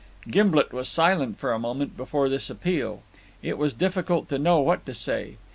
Gimblet was silent for a moment before this appeal. It was difficult to know what to say.